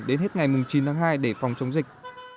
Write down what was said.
đến hết ngày chín tháng hai để phòng chống dịch